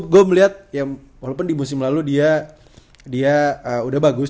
gue melihat ya walaupun di musim lalu dia udah bagus